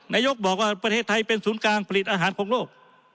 นายกบอกว่าประเทศไทยเป็นศูนย์กลางผลิตอาหารของโลก